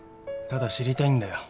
ただ知りたいんだよ。